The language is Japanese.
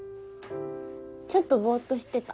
ちょっとボっとしてた。